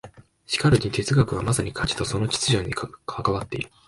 しかるに哲学はまさに価値とその秩序に関わっている。